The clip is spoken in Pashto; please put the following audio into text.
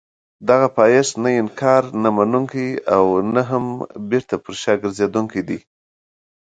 دغه پایښت نه انکار نه منونکی او نه هم بېرته پر شا ګرځېدونکی دی.